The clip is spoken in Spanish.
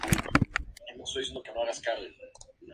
Su nombre significa "mujer de distinción".